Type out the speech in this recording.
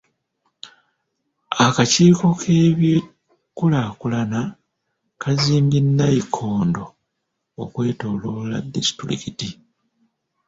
Akakiiko k'eby'enkulaakulana kazimbye nnayikondo okwetooloola disitulikiti .